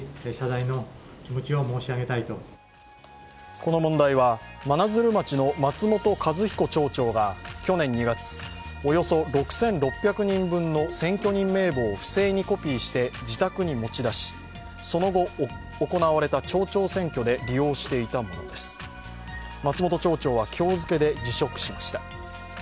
この問題は真鶴町の松本一彦町長が去年２月およそ６６００人分の選挙人名簿を不正にコピーして自宅に持ち出し、その後行われた町長選挙で利用していたもので松本町長は今日付けで辞職しました。